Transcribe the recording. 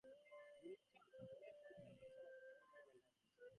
The local conservative political factions opposed independence.